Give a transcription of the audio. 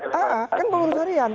iya kan pengurus harian